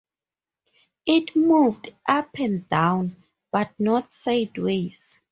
It moved up and down, but not sideways.